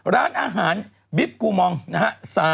ร้านอาหารบิ๊บกูมองนะฮะ